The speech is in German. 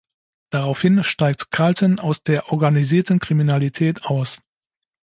Daraufhin steigt Carlton aus der organisierten Kriminalität aus.